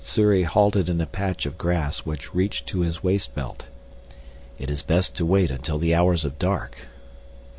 Sssuri halted in a patch of grass which reached to his waist belt. "It is best to wait until the hours of dark."